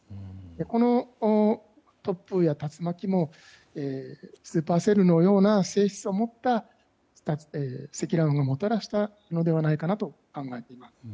この突風や竜巻もスーパーセルのような性質を持った積乱雲をもたらしたのではないかと考えています。